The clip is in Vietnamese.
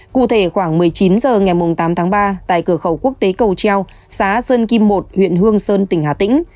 cụ thể khoảng một mươi chín h ngày tám tháng ba tại cửa khẩu quốc tế cầu treo xã sơn kim một huyện hương sơn tỉnh hà tĩnh